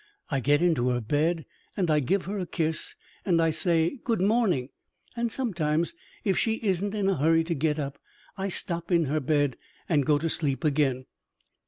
"I get into her bed, and I give her a kiss, and I say 'Good morning' and sometimes, if she isn't in a hurry to get up, I stop in her bed, and go to sleep again.